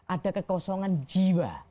ada kekosongan jiwa